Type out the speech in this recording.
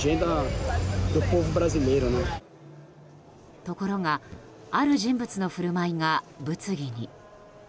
ところがある人物の振る舞いが物議に。